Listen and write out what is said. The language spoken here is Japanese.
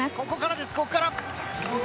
ここからです、ここから。